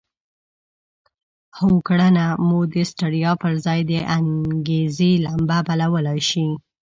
هره کړنه مو د ستړيا پر ځای د انګېزې لمبه بلولای شي.